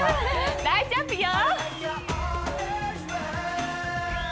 大丈夫よ！